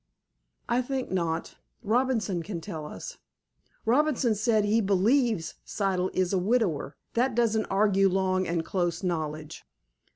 "I think not. Robinson can tell us." "Robinson says he 'believes' Siddle is a widower. That doesn't argue long and close knowledge."